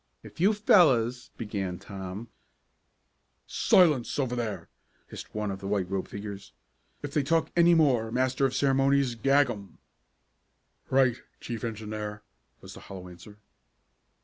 "If you fellows " began Tom. "Silence over there!" hissed one of the white robed figures. "If they talk any more, Master of Ceremonies, gag 'em." "Right, Chief Engineer," was the hollow answer.